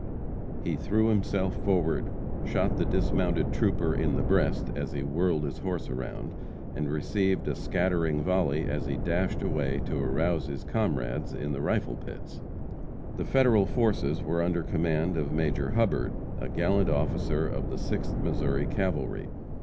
He threw himself forward, shot the dismounted trooper in the breast as he whirled his horse around, and received a scattering volley as he dashed away to arouse his comrades in the rifle pits. The Federal forces were under command of Major Hubbard, a gallant officer of the Sixth Missouri Cavalry.